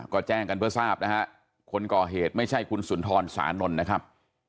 ก็แจ้งกันเพื่อทราบนะฮะคนก่อเหตุไม่ใช่คุณสุนทรสานนท์นะครับ